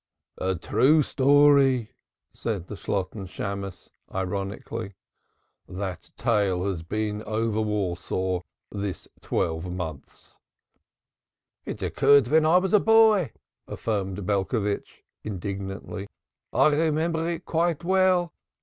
"A true story!" said the Shalotten Shammos, ironically. "That tale has been over Warsaw this twelvemonth." "It occurred when I was a boy," affirmed Belcovitch indignantly. "I remember it quite well.